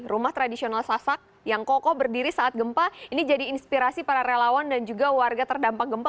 rumah tradisional sasak yang kokoh berdiri saat gempa ini jadi inspirasi para relawan dan juga warga terdampak gempa